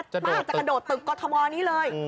ป้าจะโดดตึกกฎธวรรณ์นี้เลย